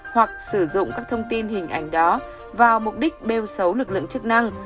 hoặc sử dụng các thông tin hình ảnh đó vào mục đích bêu xấu lực lượng chức năng